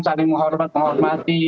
saling menghormat menghormati